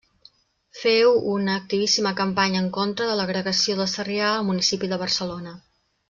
Féu una activíssima campanya en contra de l'agregació de Sarrià al municipi de Barcelona.